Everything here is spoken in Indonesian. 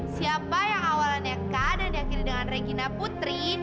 siapa yang awalnya kak dan diakhiri dengan regina putri